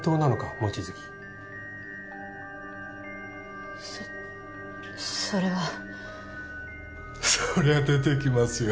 望月そそれはそりゃ出てきますよ